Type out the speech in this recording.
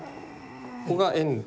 ここが円